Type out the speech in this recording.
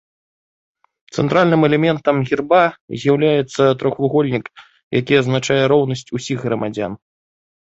Цэнтральным элементам герба з'яўляецца трохвугольнік, які азначае роўнасць усіх грамадзян.